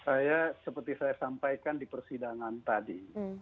saya seperti saya sampaikan di persidangan tadi